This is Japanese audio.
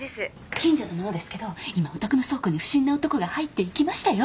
近所の者ですけど今お宅の倉庫に不審な男が入っていきましたよ